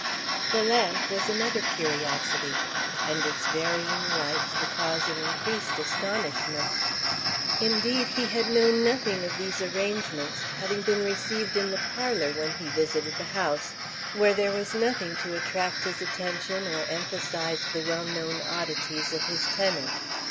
The lamp was another curiosity, and its varying lights the cause of increased astonishment. Indeed he had known nothing of these arrangements, having been received in the parlor when he visited the house, where there was nothing to attract his attention or emphasize the well known oddities of his tenant.